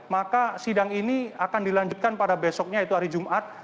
maka sidang ini akan dilanjutkan pada besoknya yaitu hari jumat